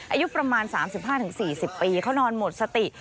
อายุประมาณ๓๕๔๐ปีเขานอนหมดสติ